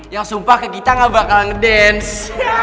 yang sumpah ke kita gak bakal ngedance